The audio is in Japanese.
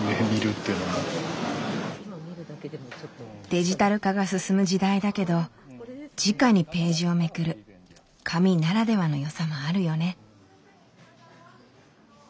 デジタル化が進む時代だけどじかにページをめくる紙ならではのよさもあるよね。